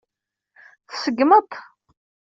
Tṣeggmeḍ-t.